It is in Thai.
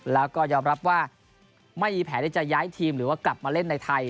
แล้วก็ยอมรับว่าไม่มีแผนที่จะย้ายทีมหรือว่ากลับมาเล่นในไทย